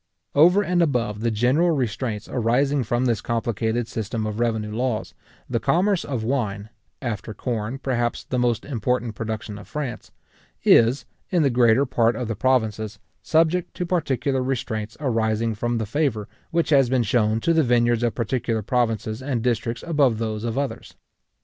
Over and above the general restraints arising from this complicated system of revenue laws, the commerce of wine (after corn, perhaps, the most important production of France) is, in the greater part of the provinces, subject to particular restraints arising from the favour which has been shown to the vineyards of particular provinces and districts above those of others.